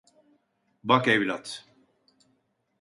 Bak evlat.